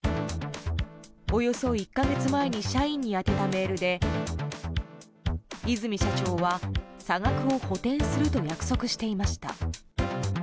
およそ１か月前に社員に宛てたメールで和泉社長は、差額を補填すると約束していました。